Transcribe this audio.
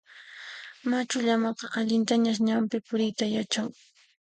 Machu llamaqa allintañas ñanpi puriyta yachan.